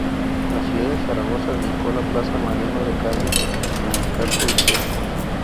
La ciudad de Zaragoza dedicó la Plaza Mariano de Cavia en el Casco Histórico.